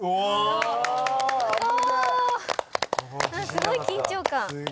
すごい緊張感。